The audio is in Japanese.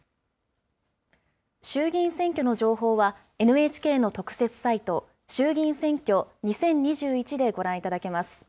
衆議院選挙の情報は、ＮＨＫの特設サイト、衆議院選挙２０２１でご覧いただけます。